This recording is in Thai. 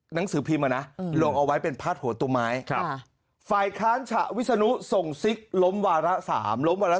หนังสือพิมพ์อ่ะนะอืมลงเอาไว้เป็นพาตหัวตุไม้ครับฝ่ายค้านฉะวิสนุส่งซิกล้มวารสาม